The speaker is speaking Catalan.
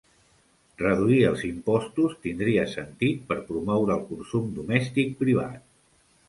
Reduir els impostos tindria sentit per promoure el consum domèstic privat.